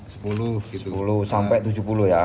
sepuluh sampai tujuh puluh ya